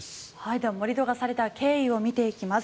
では、盛り土がされた経緯を見ていきます。